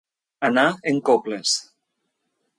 Anar en coples.